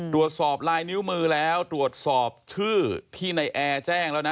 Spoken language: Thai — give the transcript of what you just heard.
ตรวจสอบลายนิ้วมือแล้วตรวจสอบชื่อที่ในแอร์แจ้งแล้วนะ